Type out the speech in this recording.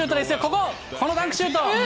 このダンクシュート。